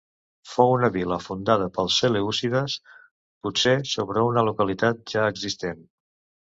Fou una vila fundada pels selèucides, potser sobre una localitat ja existent.